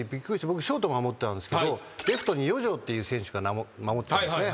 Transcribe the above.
僕ショート守ってたんですけどレフトに四條っていう選手が守ってたんですね